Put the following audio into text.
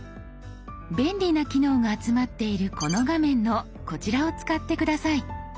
便利な機能が集まっているこの画面のこちらを使って下さい。